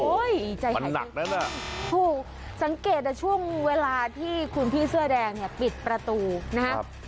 โอ้ยมันหนักนั้นอ่ะสังเกตช่วงเวลาที่คุณพี่เสื้อแดงปิดประตูนะครับ